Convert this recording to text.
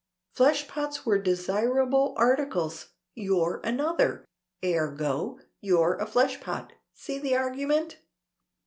"Fleshpots were desirable articles you're another ergo you're a fleshpot. See the argument?"